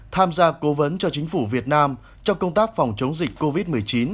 tham gia cố vấn cho chính phủ việt nam trong công tác phòng chống dịch covid một mươi chín